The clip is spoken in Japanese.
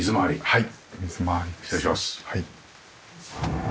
はい。